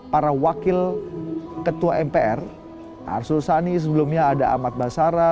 para wakil ketua mpr arsul sani sebelumnya ada ahmad basara